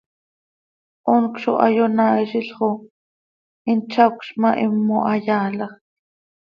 Honc zo hayonaaizil xo hin tzacöz ma, himo hayaalajc.